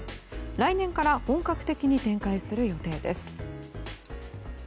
来年から本格的に展開する予定です。